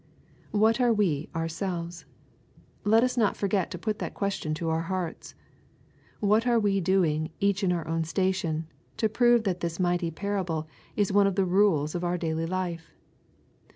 What are we^jiurselves ? Let us not forget to put that question to our hearts. What are we doings each in our own station, to prove that .this mighty parable is one of the rules of our daily life